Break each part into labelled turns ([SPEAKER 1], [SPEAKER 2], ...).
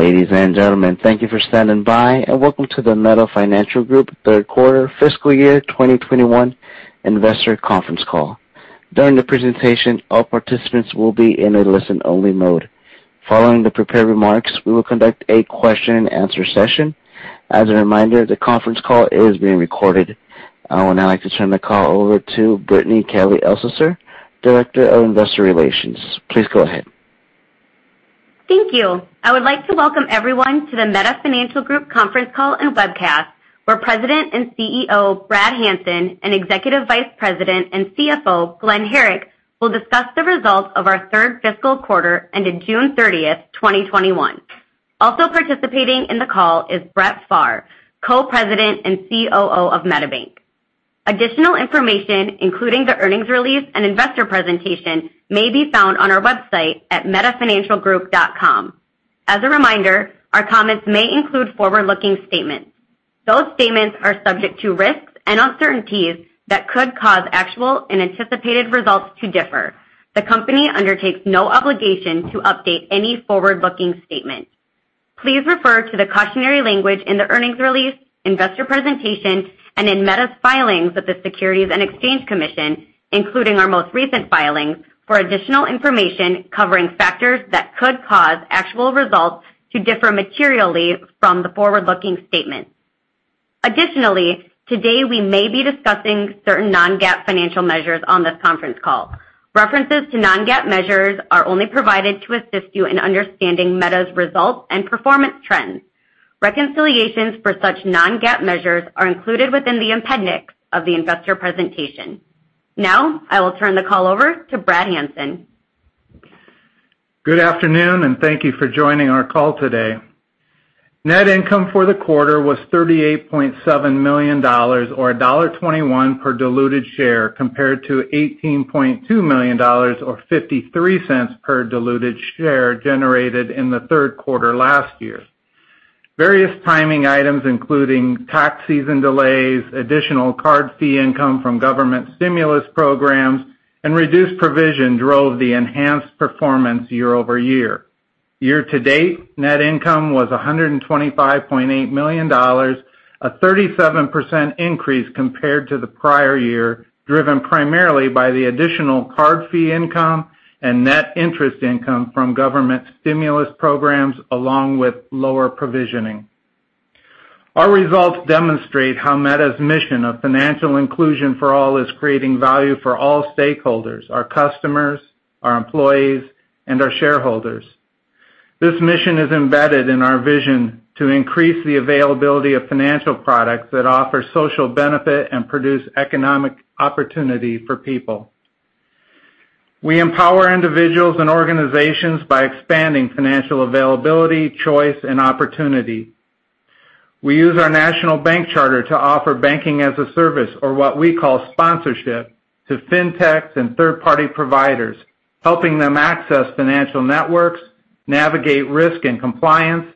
[SPEAKER 1] Ladies and gentlemen, thank you for standing by and welcome to the Meta Financial Group Third Quarter Fiscal Year 2021 Investor Conference Call. During the presentation, all participants will be in a listen-only mode. Following the prepared remarks, we will conduct a question-and-answer session. As a reminder, the conference call is being recorded. I would now like to turn the call over to Brittany Kelley Elsasser, Director of Investor Relations. Please go ahead.
[SPEAKER 2] Thank you. I would like to welcome everyone to the Meta Financial Group conference call and webcast, where President and CEO, Brad Hanson, and Executive Vice President and CFO, Glen Herrick, will discuss the results of our third fiscal quarter ended June 30th, 2021. Also participating in the call is Brett Pharr, Co-President and COO of MetaBank. Additional information, including the earnings release and investor presentation, may be found on our website at metafinancialgroup.com. As a reminder, our comments may include forward-looking statements. Those statements are subject to risks and uncertainties that could cause actual and anticipated results to differ. The company undertakes no obligation to update any forward-looking statement. Please refer to the cautionary language in the earnings release, investor presentation, and in Meta's filings with the Securities and Exchange Commission, including our most recent filings, for additional information covering factors that could cause actual results to differ materially from the forward-looking statements. Additionally, today we may be discussing certain non-GAAP financial measures on this conference call. References to non-GAAP measures are only provided to assist you in understanding Meta's results and performance trends. Reconciliations for such non-GAAP measures are included within the appendix of the investor presentation. Now, I will turn the call over to Brad Hanson.
[SPEAKER 3] Good afternoon, and thank you for joining our call today. Net income for the quarter was $38.7 million, or $1.21 per diluted share, compared to $18.2 million, or $0.53 per diluted share generated in the third quarter last year. Various timing items, including tax season delays, additional card fee income from government stimulus programs, and reduced provision, drove the enhanced performance year-over-year. Year-to-date, net income was $125.8 million, a 37% increase compared to the prior year, driven primarily by the additional card fee income and net interest income from government stimulus programs, along with lower provisioning. Our results demonstrate how Meta's mission of financial inclusion for all is creating value for all stakeholders, our customers, our employees, and our shareholders. This mission is embedded in our vision to increase the availability of financial products that offer social benefit and produce economic opportunity for people. We empower individuals and organizations by expanding financial availability, choice, and opportunity. We use our national bank charter to offer banking-as-a-service, or what we call sponsorship, to Fintechs and third-party providers, helping them access financial networks, navigate risk and compliance,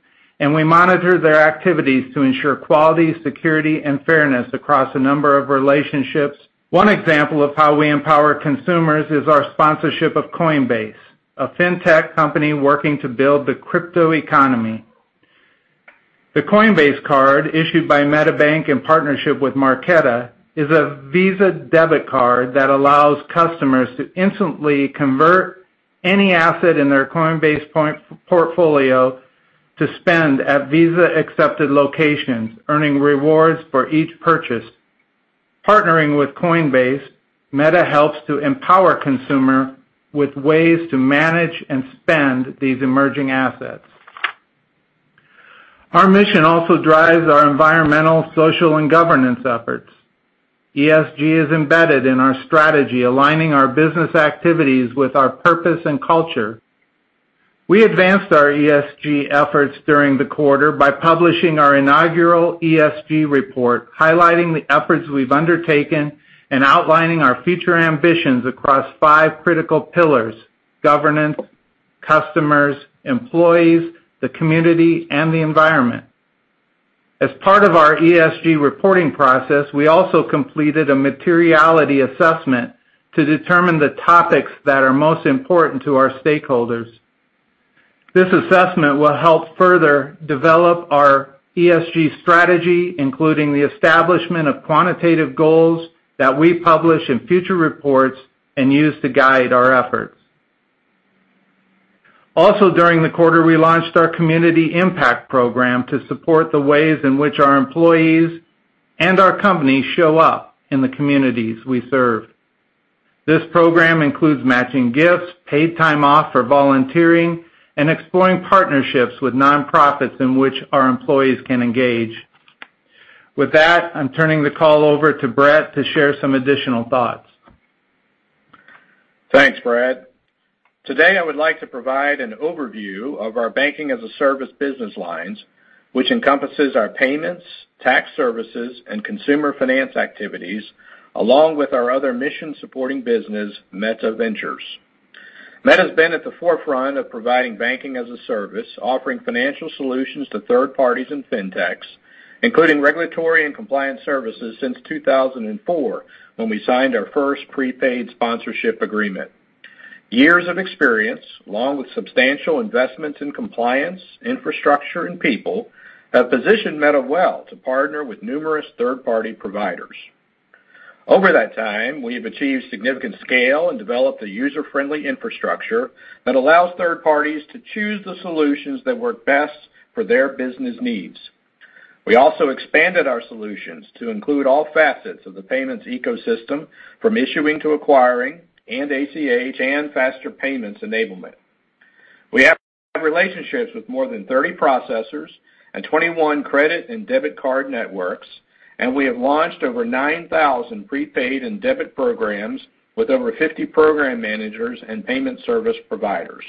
[SPEAKER 3] and we monitor their activities to ensure quality, security, and fairness across a number of relationships. One example of how we empower consumers is our sponsorship of Coinbase, a Fintech company working to build the crypto economy. The Coinbase Card, issued by MetaBank in partnership with Marqeta, is a Visa debit card that allows customers to instantly convert any asset in their Coinbase portfolio to spend at Visa-accepted locations, earning rewards for each purchase. Partnering with Coinbase, Meta helps to empower consumer with ways to manage and spend these emerging assets. Our mission also drives our environmental, social, and governance efforts. ESG is embedded in our strategy, aligning our business activities with our purpose and culture. We advanced our ESG efforts during the quarter by publishing our inaugural ESG report, highlighting the efforts we've undertaken and outlining our future ambitions across five critical pillars: governance, customers, employees, the community, and the environment. As part of our ESG reporting process, we also completed a materiality assessment to determine the topics that are most important to our stakeholders. This assessment will help further develop our ESG strategy, including the establishment of quantitative goals that we publish in future reports and use to guide our efforts. During the quarter, we launched our Community Impact Program to support the ways in which our employees and our company show up in the communities we serve. This program includes matching gifts, paid time off for volunteering, and exploring partnerships with nonprofits in which our employees can engage. With that, I'm turning the call over to Brett to share some additional thoughts.
[SPEAKER 4] Thanks, Brad. Today, I would like to provide an overview of our banking-as-a-service business lines, which encompasses our payments, tax services, and consumer finance activities, along with our other mission-supporting business, Meta Ventures. Meta's been at the forefront of providing banking-as-a-service, offering financial solutions to third parties and fintechs, including regulatory and compliance services since 2004 when we signed our first prepaid sponsorship agreement. Years of experience, along with substantial investments in compliance, infrastructure, and people, have positioned Meta well to partner with numerous third-party providers. Over that time, we have achieved significant scale and developed a user-friendly infrastructure that allows third parties to choose the solutions that work best for their business needs. We also expanded our solutions to include all facets of the payments ecosystem, from issuing to acquiring, and ACH and faster payments enablement. We have relationships with more than 30 processors and 21 credit and debit card networks, and we have launched over 9,000 prepaid and debit programs with over 50 program managers and payment service providers.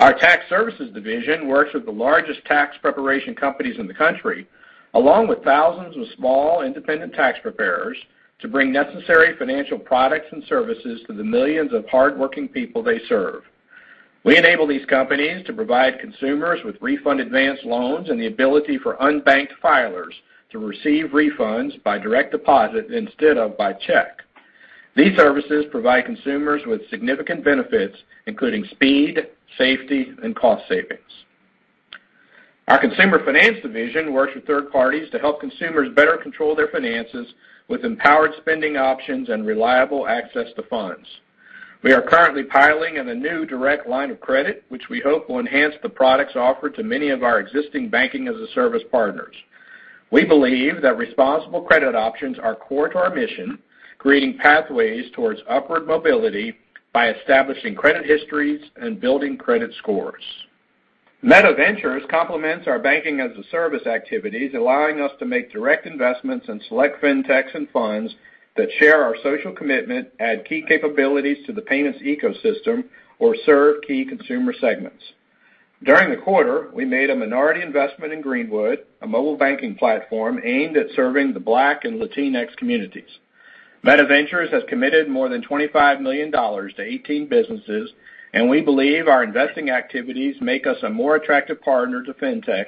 [SPEAKER 4] Our tax services division works with the largest tax preparation companies in the country, along with thousands of small independent tax preparers, to bring necessary financial products and services to the millions of hardworking people they serve. We enable these companies to provide consumers with refund advance loans and the ability for unbanked filers to receive refunds by direct deposit instead of by check. These services provide consumers with significant benefits, including speed, safety, and cost savings. Our consumer finance division works with third parties to help consumers better control their finances with empowered spending options and reliable access to funds. We are currently piloting a new direct line of credit, which we hope will enhance the products offered to many of our existing banking-as-a-service partners. We believe that responsible credit options are core to our mission, creating pathways towards upward mobility by establishing credit histories and building credit scores. Meta Ventures complements our banking-as-a-service activities, allowing us to make direct investments in select fintechs and funds that share our social commitment, add key capabilities to the payments ecosystem, or serve key consumer segments. During the quarter, we made a minority investment in Greenwood, a mobile banking platform aimed at serving the Black and Latinx communities. Meta Ventures has committed more than $25 million to 18 businesses, and we believe our investing activities make us a more attractive partner to fintechs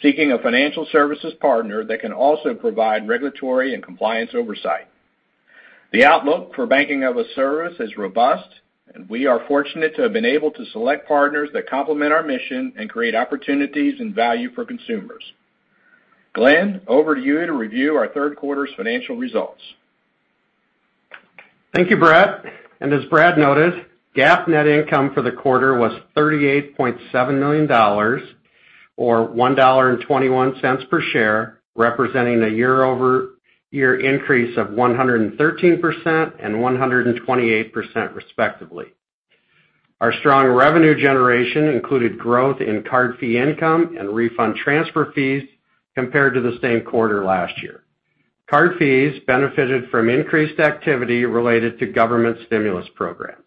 [SPEAKER 4] seeking a financial services partner that can also provide regulatory and compliance oversight. The outlook for banking-as-a-service is robust, and we are fortunate to have been able to select partners that complement our mission and create opportunities and value for consumers. Glen, over to you to review our third quarter's financial results.
[SPEAKER 5] Thank you, Brad. As Brad noted, GAAP net income for the quarter was $38.7 million, or $1.21 per share, representing a year-over-year increase of 113% and 128%, respectively. Our strong revenue generation included growth in card fee income and refund transfer fees compared to the same quarter last year. Card fees benefited from increased activity related to government stimulus programs.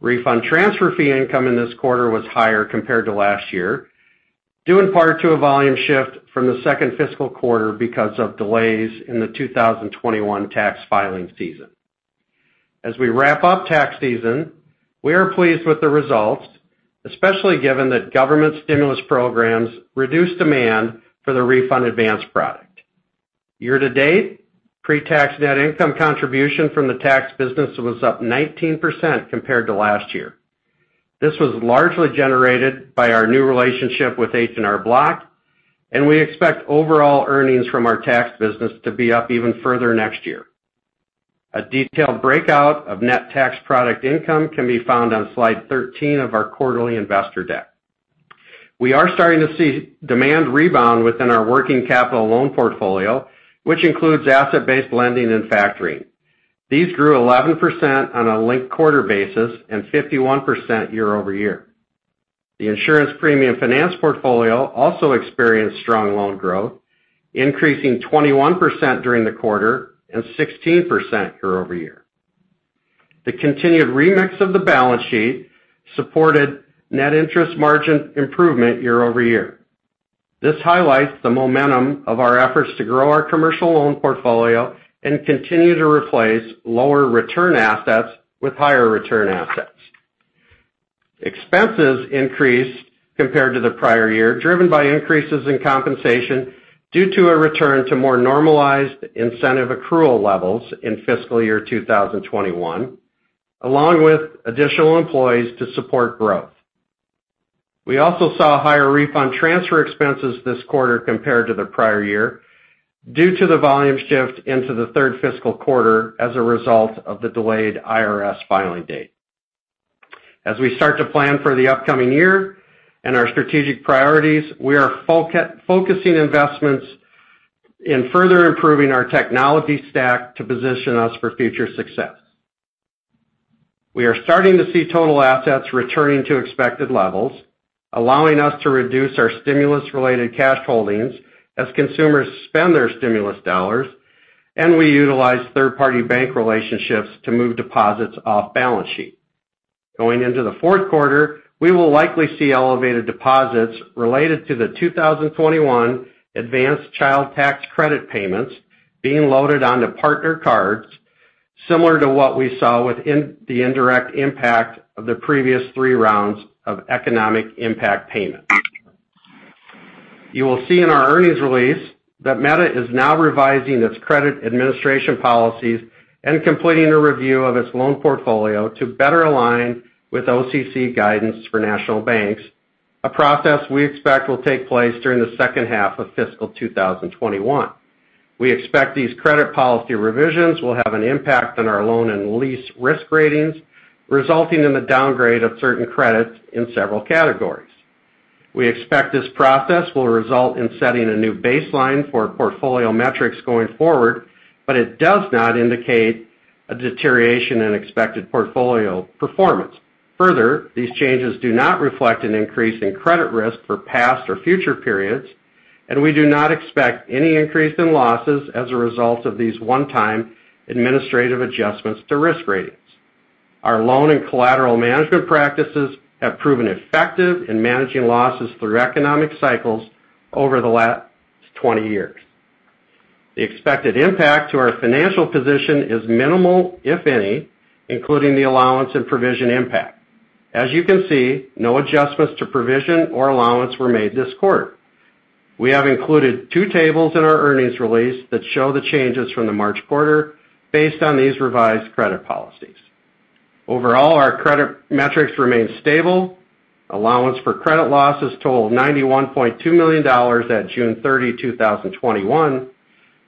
[SPEAKER 5] Refund transfer fee income in this quarter was higher compared to last year, due in part to a volume shift from the second fiscal quarter because of delays in the 2021 tax filing season. As we wrap up tax season, we are pleased with the results, especially given that government stimulus programs reduced demand for the refund advance product. Year-to-date, pre-tax net income contribution from the tax business was up 19% compared to last year. This was largely generated by our new relationship with H&R Block. We expect overall earnings from our tax business to be up even further next year. A detailed breakout of net tax product income can be found on slide 13 of our quarterly investor deck. We are starting to see demand rebound within our working capital loan portfolio, which includes asset-based lending and factoring. These grew 11% on a linked-quarter basis and 51% year-over-year. The insurance premium finance portfolio also experienced strong loan growth, increasing 21% during the quarter and 16% year-over-year. The continued remix of the balance sheet supported net interest margin improvement year-over-year. This highlights the momentum of our efforts to grow our commercial loan portfolio and continue to replace lower-return assets with higher-return assets. Expenses increased compared to the prior year, driven by increases in compensation due to a return to more normalized incentive accrual levels in fiscal year 2021, along with additional employees to support growth. We also saw higher refund transfer expenses this quarter compared to the prior year due to the volume shift into the third fiscal quarter as a result of the delayed IRS filing date. As we start to plan for the upcoming year and our strategic priorities, we are focusing investments in further improving our technology stack to position us for future success. We are starting to see total assets returning to expected levels, allowing us to reduce our stimulus-related cash holdings as consumers spend their stimulus dollars, and we utilize third-party bank relationships to move deposits off balance sheet. Going into the fourth quarter, we will likely see elevated deposits related to the 2021 Advance Child Tax Credit payments being loaded onto partner cards, similar to what we saw with the indirect impact of the previous three rounds of economic impact payments. You will see in our earnings release that Meta is now revising its credit administration policies and completing a review of its loan portfolio to better align with OCC guidance for national banks, a process we expect will take place during the second half of fiscal 2021. We expect these credit policy revisions will have an impact on our loan and lease risk ratings, resulting in the downgrade of certain credits in several categories. We expect this process will result in setting a new baseline for portfolio metrics going forward, but it does not indicate a deterioration in expected portfolio performance. These changes do not reflect an increase in credit risk for past or future periods, and we do not expect any increase in losses as a result of these one-time administrative adjustments to risk ratings. Our loan and collateral management practices have proven effective in managing losses through economic cycles over the last 20 years. The expected impact to our financial position is minimal, if any, including the allowance and provision impact. As you can see, no adjustments to provision or allowance were made this quarter. We have included two tables in our earnings release that show the changes from the March quarter based on these revised credit policies. Overall, our credit metrics remain stable. Allowance for credit losses totaled $91.2 million at June 30, 2021,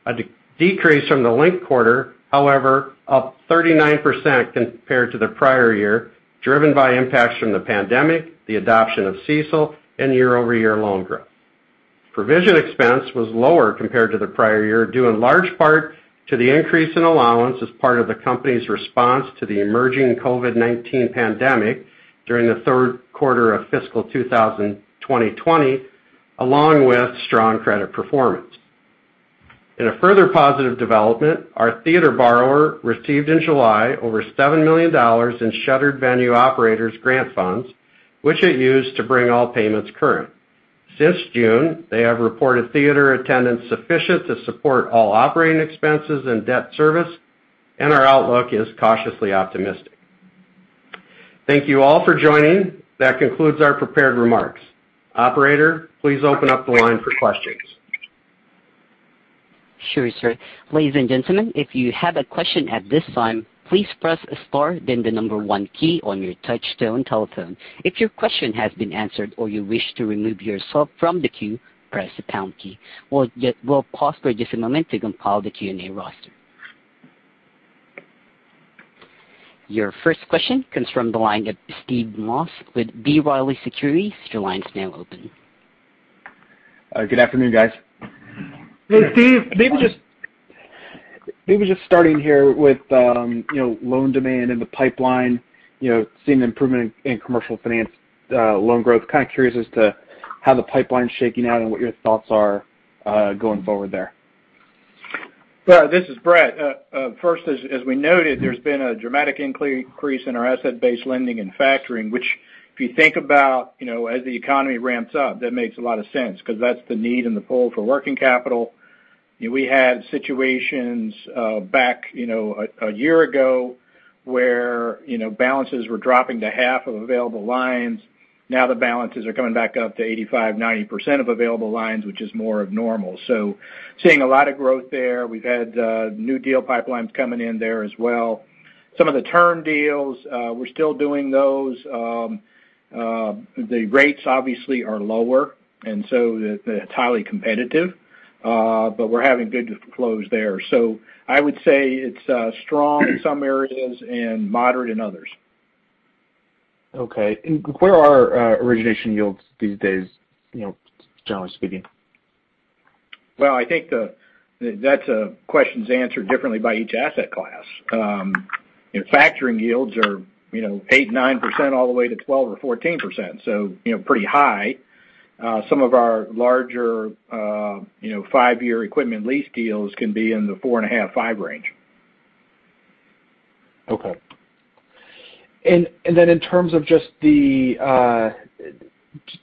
[SPEAKER 5] a decrease from the linked quarter, however, up 39% compared to the prior year, driven by impacts from the pandemic, the adoption of CECL, and year-over-year loan growth. Provision expense was lower compared to the prior year, due in large part to the increase in allowance as part of the company's response to the emerging COVID-19 pandemic during the third quarter of fiscal 2020, along with strong credit performance. In a further positive development, our theater borrower received in July over $7 million in Shuttered Venue Operators Grant funds, which it used to bring all payments current. Since June, they have reported theater attendance sufficient to support all operating expenses and debt service, and our outlook is cautiously optimistic. Thank you all for joining. That concludes our prepared remarks. Operator, please open up the line for questions.
[SPEAKER 1] Sure, sir. Ladies and gentlemen, if you have a question at this time, please press star then the number one key on your touchtone telephone. If your question has been answered or you wish to remove yourself from the queue, press the star key. We'll pause for just a moment to compile the Q&A roster. Your first question comes from the line of Steve Moss with B. Riley Securities. Your line's now open.
[SPEAKER 6] Good afternoon, guys.
[SPEAKER 5] Hey, Steve.
[SPEAKER 6] Maybe just starting here with loan demand in the pipeline, seeing improvement in commercial finance loan growth. Kind of curious as to how the pipeline's shaking out and what your thoughts are going forward there.
[SPEAKER 4] This is Brett. First, as we noted, there's been a dramatic increase in our asset-based lending and factoring. Which, if you think about as the economy ramps up, that makes a lot of sense because that's the need and the pull for working capital. We had situations back a year ago where balances were dropping to half of available lines. Now the balances are coming back up to 85%, 90% of available lines, which is more of normal. Seeing a lot of growth there. We've had new deal pipelines coming in there as well. Some of the term deals, we're still doing those. The rates obviously are lower, and so it's highly competitive. We're having good flows there. I would say it's strong in some areas and moderate in others.
[SPEAKER 6] Okay. Where are origination yields these days, generally speaking?
[SPEAKER 4] Well, I think that's a question that's answered differently by each asset class. Factoring yields are 8%, 9%, all the way to 12%-14%, so pretty high. Some of our larger five year equipment lease deals can be in the 4.5%-5% range.
[SPEAKER 6] Okay.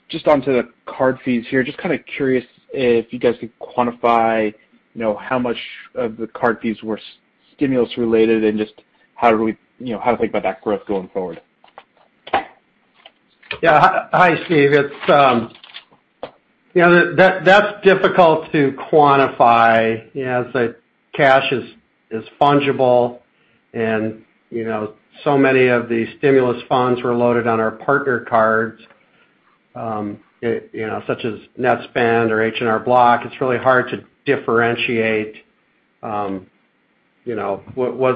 [SPEAKER 6] Just onto the card fees here, just kind of curious if you guys could quantify how much of the card fees were stimulus related and just how to think about that growth going forward?
[SPEAKER 5] Yeah. Hi, Steve. That's difficult to quantify, as cash is fungible and so many of the stimulus funds were loaded on our partner cards, such as Netspend or H&R Block. It's really hard to differentiate was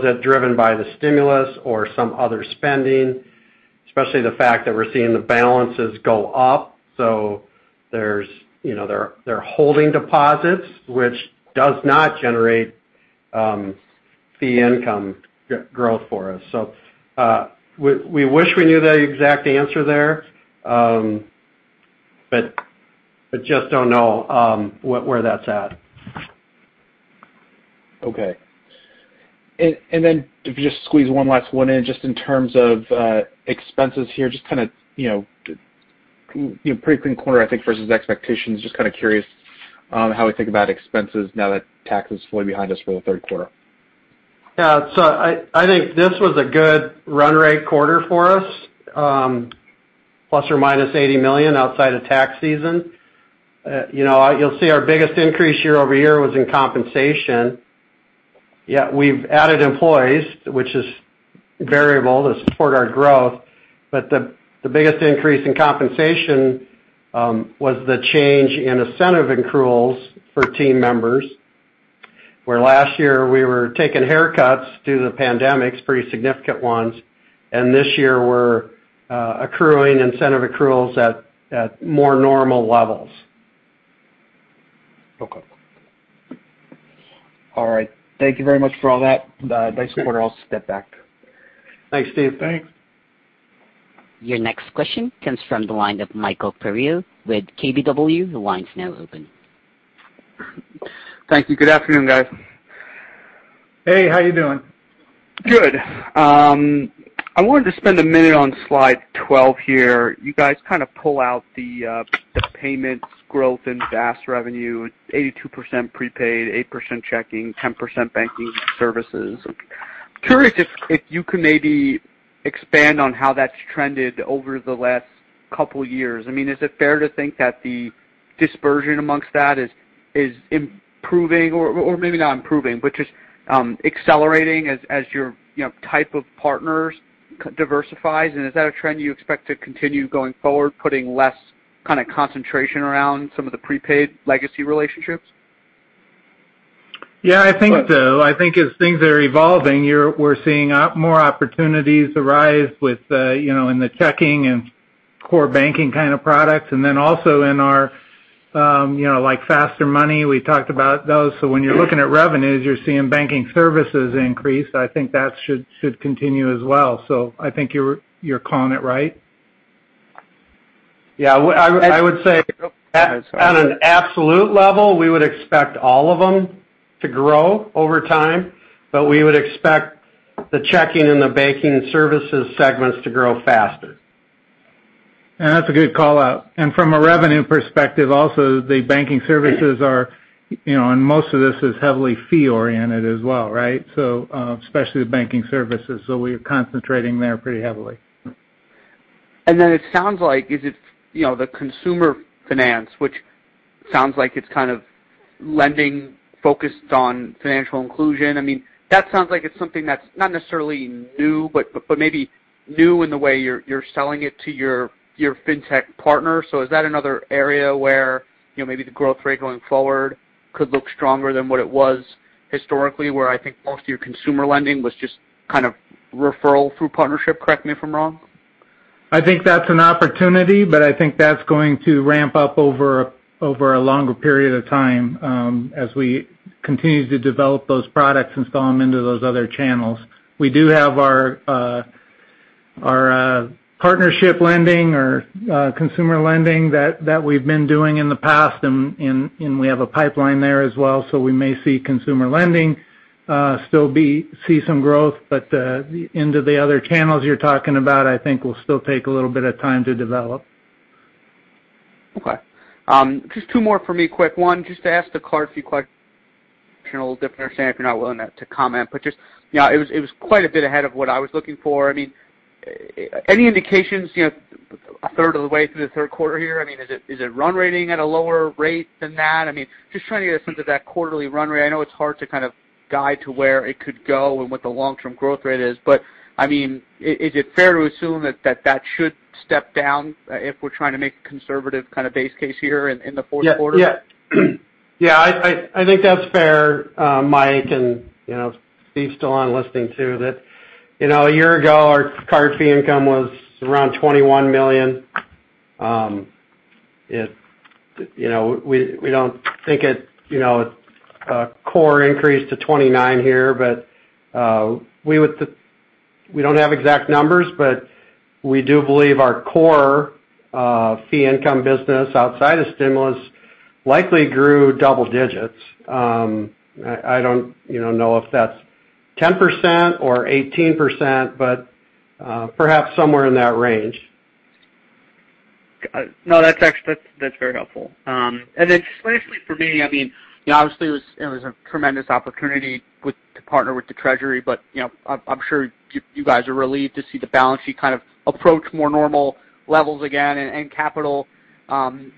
[SPEAKER 5] it driven by the stimulus or some other spending, especially the fact that we're seeing the balances go up. They're holding deposits, which does not generate fee income growth for us. We wish we knew the exact answer there, but just don't know where that's at.
[SPEAKER 6] Okay. If you just squeeze one last one in, just in terms of expenses here, pretty clean quarter, I think, versus expectations. Just kind of curious how we think about expenses now that tax is fully behind us for the third quarter.
[SPEAKER 5] Yeah. I think this was a good run rate quarter for us, plus or minus $80 million outside of tax season. You'll see our biggest increase year-over-year was in compensation. We've added employees, which is variable to support our growth. The biggest increase in compensation was the change in incentive accruals for team members, where last year we were taking haircuts due to the pandemics, pretty significant ones. This year we're accruing incentive accruals at more normal levels.
[SPEAKER 6] Okay. All right. Thank you very much for all that. Nice quarter. I'll step back.
[SPEAKER 3] Thanks, Steve.
[SPEAKER 6] Thanks.
[SPEAKER 1] Your next question comes from the line of Michael Perito with KBW. The line's now open.
[SPEAKER 7] Thank you. Good afternoon, guys.
[SPEAKER 3] Hey, how you doing?
[SPEAKER 7] Good. I wanted to spend a minute on slide 12 here. You guys kind of pull out the payments growth in BaaS revenue, 82% prepaid, 8% checking, 10% banking services. Curious if you can maybe expand on how that's trended over the last couple years. Is it fair to think that the dispersion amongst that is improving, or maybe not improving, but just accelerating as your type of partners diversifies? Is that a trend you expect to continue going forward, putting less kind of concentration around some of the prepaid legacy relationships?
[SPEAKER 3] Yeah, I think so. I think as things are evolving, we're seeing more opportunities arise in the checking and core banking kind of products, and then also in our FasterMoney, we talked about those. When you're looking at revenues, you're seeing banking services increase. I think that should continue as well. I think you're calling it right.
[SPEAKER 5] Yeah. I would say at an absolute level, we would expect all of them to grow over time, but we would expect the checking and the banking services segments to grow faster.
[SPEAKER 3] That's a good call-out. From a revenue perspective also, the banking services are and most of this is heavily fee-oriented as well, right? Especially the banking services. We're concentrating there pretty heavily.
[SPEAKER 7] Then it sounds like the consumer finance, which sounds like it's kind of lending focused on financial inclusion. That sounds like it's something that's not necessarily new, but maybe new in the way you're selling it to your fintech partner. Is that another area where maybe the growth rate going forward could look stronger than what it was historically, where I think most of your consumer lending was just kind of referral through partnership? Correct me if I'm wrong.
[SPEAKER 3] I think that's an opportunity, but I think that's going to ramp up over a longer period of time as we continue to develop those products, install them into those other channels. We do have our partnership lending or consumer lending that we've been doing in the past, and we have a pipeline there as well. We may see consumer lending still see some growth, but into the other channels you're talking about, I think will still take a little bit of time to develop.
[SPEAKER 7] Okay. Just two more for me. Quick one, just to ask the card fee question a little different. Understand if you're not willing to comment, but just it was quite a bit ahead of what I was looking for. Any indications a third of the way through the third quarter here? Is it run rating at a lower rate than that? Just trying to get a sense of that quarterly run rate. I know it's hard to kind of guide to where it could go and what the long-term growth rate is, but is it fair to assume that that should step down if we're trying to make a conservative kind of base case here in the fourth quarter?
[SPEAKER 5] Yeah. I think that's fair Mike, and if Steve's still on listening too. A year ago our card fee income was around $21 million. We don't think it core increased to $29 here. We don't have exact numbers. We do believe our core fee income business outside of stimulus likely grew double digits. I don't know if that's 10% or 18%. Perhaps somewhere in that range.
[SPEAKER 7] No, that's very helpful. Just lastly for me, obviously it was a tremendous opportunity to partner with the Treasury, but I'm sure you guys are relieved to see the balance sheet kind of approach more normal levels again and capital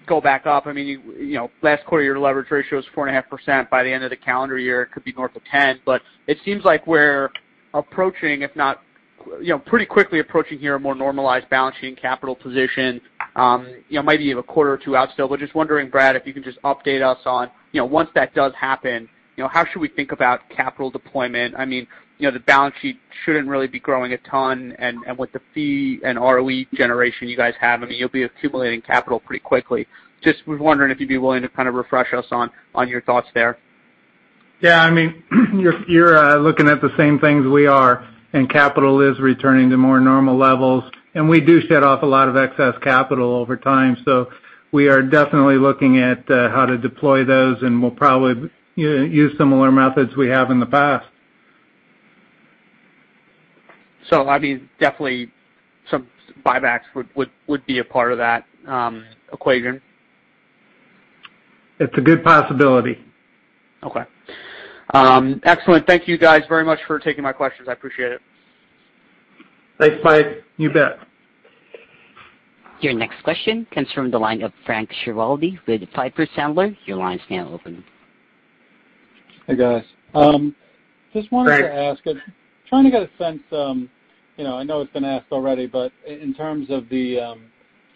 [SPEAKER 7] go back up. Last quarter, your leverage ratio was 4.5%. By the end of the calendar year, it could be north of 10. It seems like we're pretty quickly approaching here a more normalized balance sheet and capital position. Might be a quarter or two out still, but just wondering, Brad, if you can just update us on once that does happen, how should we think about capital deployment? The balance sheet shouldn't really be growing a ton, and with the fee and ROE generation you guys have, you'll be accumulating capital pretty quickly. Just was wondering if you'd be willing to kind of refresh us on your thoughts there.
[SPEAKER 3] Yeah. You're looking at the same things we are, and capital is returning to more normal levels, and we do shed off a lot of excess capital over time. We are definitely looking at how to deploy those, and we'll probably use similar methods we have in the past.
[SPEAKER 7] Definitely some buybacks would be a part of that equation?
[SPEAKER 5] It's a good possibility.
[SPEAKER 7] Okay. Excellent. Thank you guys very much for taking my questions. I appreciate it.
[SPEAKER 5] Thanks, Mike.
[SPEAKER 3] You bet.
[SPEAKER 1] Your next question comes from the line of Frank Schiraldi with Piper Sandler. Your line is now open.
[SPEAKER 8] Hey, guys.
[SPEAKER 5] Hey.
[SPEAKER 8] Just wanted to ask, trying to get a sense. I know it's been asked already, but in terms of the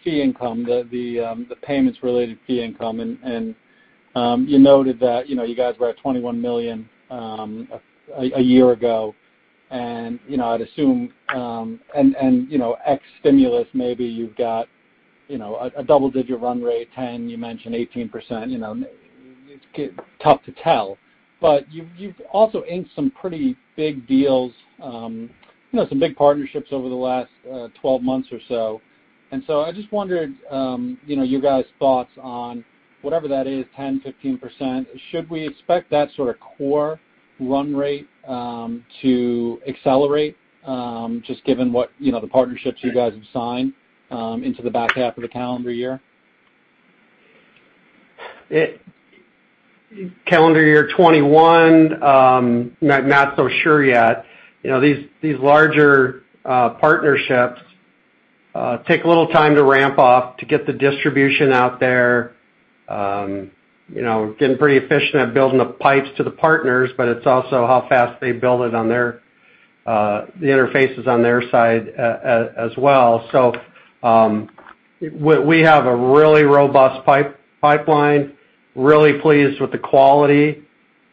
[SPEAKER 8] fee income, the payments related to fee income, and you noted that you guys were at $21 million a year ago, and I'd assume, and ex stimulus, maybe you've got a double-digit run rate, 10%, you mentioned 18%. It's tough to tell. You've also inked some pretty big deals, some big partnerships over the last 12 months or so. I just wondered, your guys' thoughts on whatever that is, 10%, 15%. Should we expect that sort of core run rate to accelerate, just given the partnerships you guys have signed into the back half of the calendar year?
[SPEAKER 5] Calendar year 2021, I'm not so sure yet. These larger partnerships take a little time to ramp up to get the distribution out there. Getting pretty efficient at building the pipes to the partners, but it's also how fast they build the interfaces on their side as well. We have a really robust pipeline, really pleased with the quality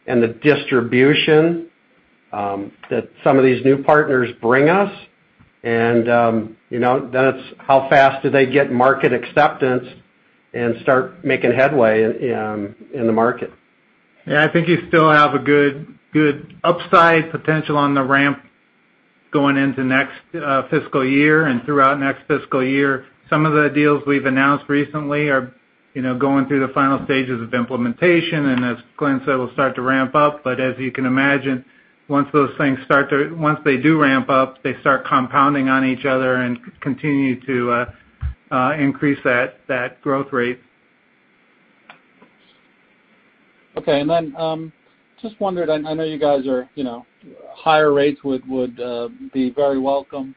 [SPEAKER 5] and the distribution that some of these new partners bring us. Then it's how fast do they get market acceptance and start making headway in the market.
[SPEAKER 3] Yeah, I think you still have a good upside potential on the ramp going into next fiscal year and throughout next fiscal year. Some of the deals we've announced recently are going through the final stages of implementation, and as Glen said, we'll start to ramp up. As you can imagine, once they do ramp up, they start compounding on each other and continue to increase that growth rate.
[SPEAKER 8] Okay. Just wondered, I know you guys are higher rates would be very welcome.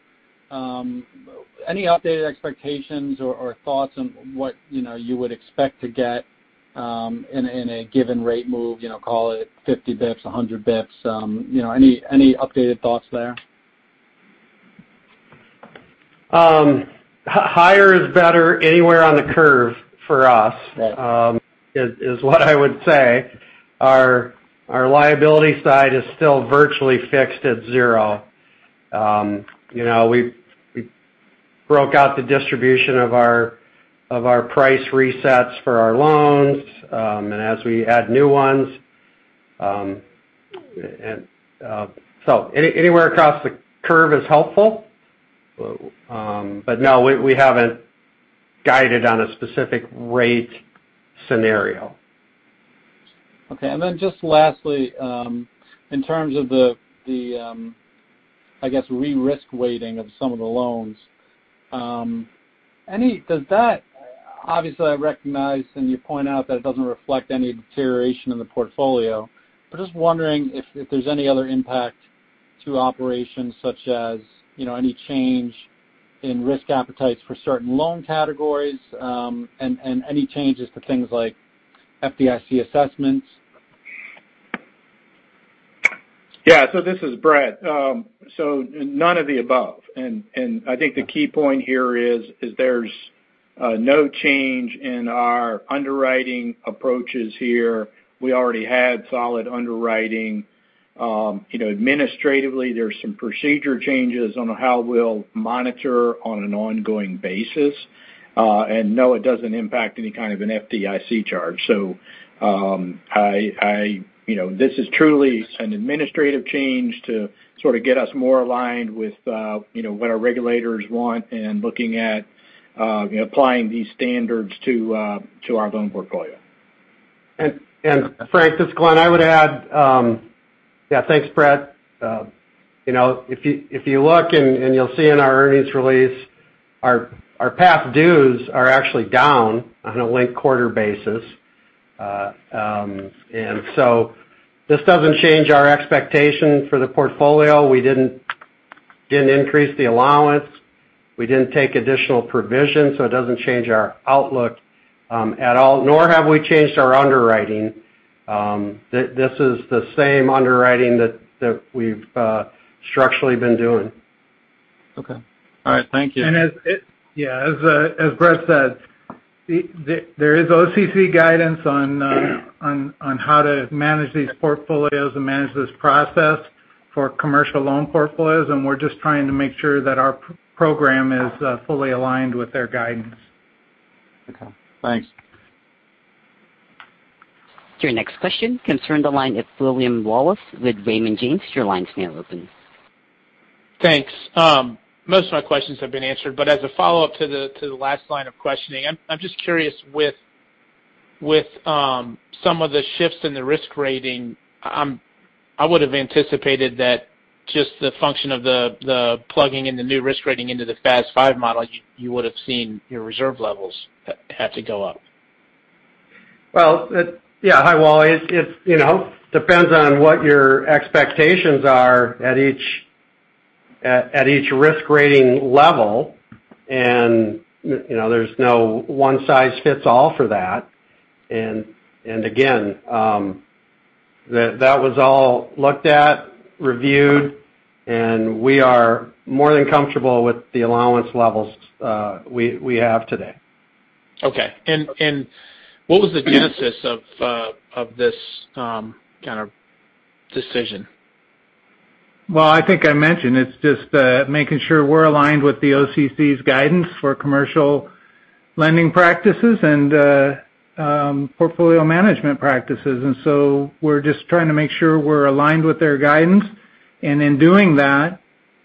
[SPEAKER 8] Any updated expectations or thoughts on what you would expect to get in a given rate move, call it 50 basis points, 100 basis points? Any updated thoughts there?
[SPEAKER 5] Higher is better anywhere on the curve for us.
[SPEAKER 8] Right
[SPEAKER 5] Is what I would say. Our liability side is still virtually fixed at zero. We broke out the distribution of our price resets for our loans, and as we add new ones. Anywhere across the curve is helpful. No, we haven't guided on a specific rate scenario.
[SPEAKER 8] Okay. Just lastly, in terms of the, I guess, re-risk weighting of some of the loans. Obviously, I recognize and you point out that it doesn't reflect any deterioration in the portfolio, but just wondering if there's any other impact to operations such as any change in risk appetites for certain loan categories, and any changes to things like FDIC assessments?
[SPEAKER 4] Yeah. This is Brett. None of the above. I think the key point here is there's no change in our underwriting approaches here. We already had solid underwriting. Administratively, there's some procedure changes on how we'll monitor on an ongoing basis. No, it doesn't impact any kind of an FDIC charge. This is truly an administrative change to sort of get us more aligned with what our regulators want and looking at applying these standards to our loan portfolio.
[SPEAKER 5] Frank, this is Glen. I would add, yeah, thanks, Brett. If you look, and you'll see in our earnings release, our past dues are actually down on a linked quarter basis. This doesn't change our expectation for the portfolio. We didn't increase the allowance. We didn't take additional provision, it doesn't change our outlook at all, nor have we changed our underwriting. This is the same underwriting that we've structurally been doing.
[SPEAKER 8] Okay. All right. Thank you.
[SPEAKER 3] As Brett said, there is OCC guidance on how to manage these portfolios and manage this process for commercial loan portfolios, and we're just trying to make sure that our program is fully aligned with their guidance.
[SPEAKER 8] Okay. Thanks.
[SPEAKER 1] Your next question comes from the line of William Wallace with Raymond James. Your line is now open.
[SPEAKER 9] Thanks. Most of my questions have been answered, but as a follow-up to the last line of questioning, I'm just curious with some of the shifts in the risk rating, I would have anticipated that just the function of the plugging in the new risk rating into the FAS 5 model, you would have seen your reserve levels have to go up.
[SPEAKER 3] Well, yeah. Hi, Wallace. It depends on what your expectations are at each risk rating level, and there's no one size fits all for that. Again, that was all looked at, reviewed, and we are more than comfortable with the allowance levels we have today.
[SPEAKER 9] Okay. What was the genesis of this kind of decision?
[SPEAKER 3] Well, I think I mentioned, it's just making sure we're aligned with the OCC's guidance for commercial lending practices and portfolio management practices. We're just trying to make sure we're aligned with their guidance. In doing that.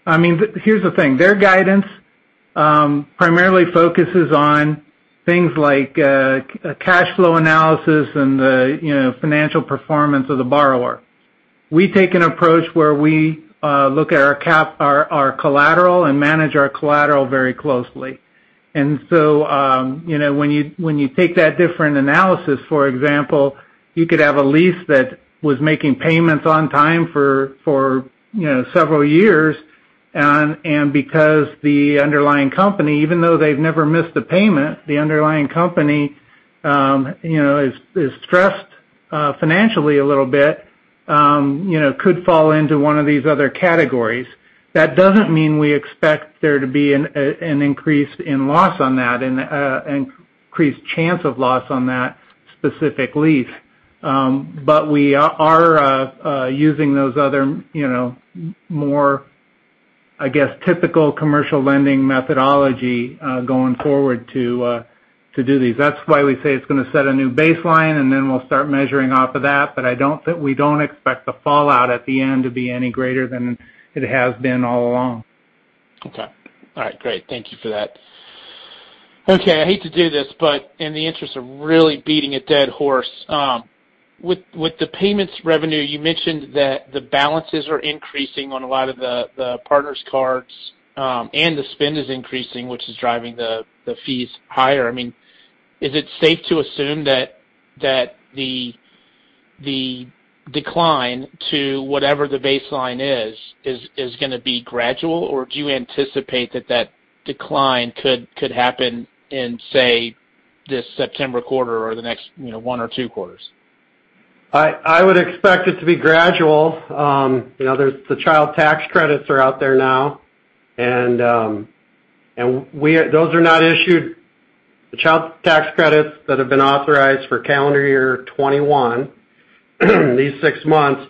[SPEAKER 3] Here's the thing. Their guidance primarily focuses on things like cash flow analysis and the financial performance of the borrower. We take an approach where we look at our collateral and manage our collateral very closely. When you take that different analysis, for example, you could have a lease that was making payments on time for several years, and because the underlying company, even though they've never missed a payment, the underlying company is stressed financially a little bit, could fall into one of these other categories. That doesn't mean we expect there to be an increased chance of loss on that specific lease, we are using those other more, I guess, typical commercial lending methodology, going forward to do these. That's why we say it's going to set a new baseline, and then we'll start measuring off of that. We don't expect the fallout at the end to be any greater than it has been all along.
[SPEAKER 9] Okay. All right, great. Thank you for that. Okay, I hate to do this, but in the interest of really beating a dead horse, with the payments revenue, you mentioned that the balances are increasing on a lot of the partners' cards, and the spend is increasing, which is driving the fees higher. Is it safe to assume that the decline to whatever the baseline is going to be gradual, or do you anticipate that that decline could happen in, say, this September quarter or the next one or two quarters?
[SPEAKER 3] I would expect it to be gradual. The Child Tax Credits are out there now, and the Child Tax Credits that have been authorized for calendar year 2021, these six months,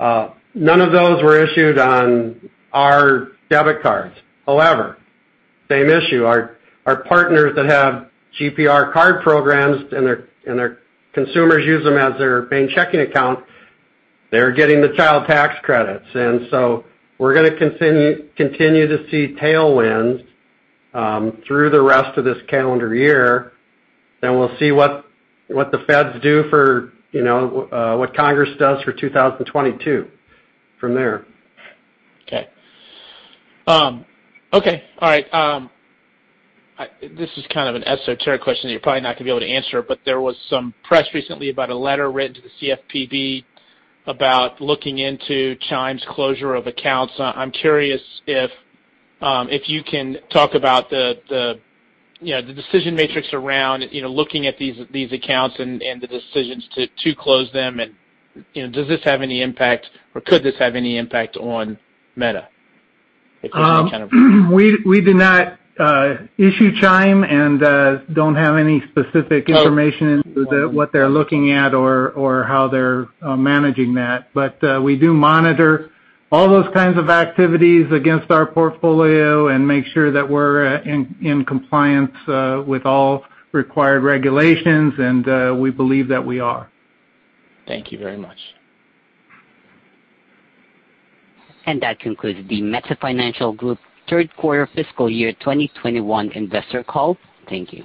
[SPEAKER 3] none of those were issued on our debit cards. However, same issue. Our partners that have GPR card programs and their consumers use them as their main checking account, they're getting the Child Tax Credits. We're going to continue to see tailwinds through the rest of this calendar year, then we'll see what Congress does for 2022 from there.
[SPEAKER 9] Okay. All right. There was some press recently about a letter written to the CFPB about looking into Chime's closure of accounts. I'm curious if you can talk about the decision matrix around looking at these accounts and the decisions to close them. Does this have any impact, or could this have any impact on Meta?
[SPEAKER 3] We do not issue Chime and don't have any specific information into what they're looking at or how they're managing that. We do monitor all those kinds of activities against our portfolio and make sure that we're in compliance with all required regulations, and we believe that we are.
[SPEAKER 9] Thank you very much.
[SPEAKER 1] That concludes the Meta Financial Group Third Quarter Fiscal Year 2021 Investor Call. Thank you.